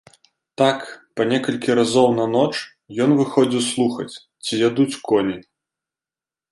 Так па некалькі разоў на ноч ён выходзіў слухаць, ці ядуць коні.